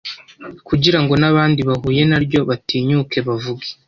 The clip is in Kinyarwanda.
kugira ngo n’abandi bahuye naryo batinyuke bavuge.